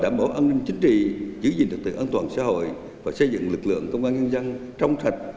đảm bảo an ninh chính trị giữ gìn thực tượng an toàn xã hội và xây dựng lực lượng công an nhân dân trong sạch